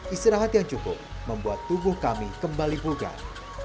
istirahat yang cukup membuat tubuh kami kembali bugar